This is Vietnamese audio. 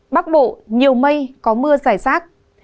bắc bộ nhiều mây có mưa rải rác